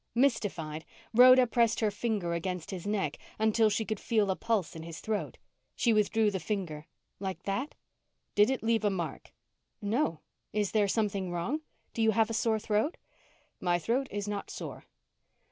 Mystified, Rhoda pressed her finger against his neck until she could feel a pulse in his throat. She withdrew the finger. "Like that?" "Did it leave a mark?" "No. Is there something wrong? Do you have a sore throat?" "My throat is not sore."